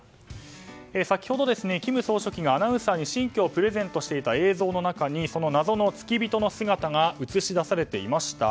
先ほど金総書記がアナウンサーに新居をプレゼントしていた映像の中に謎の付き人の姿が映し出されていました。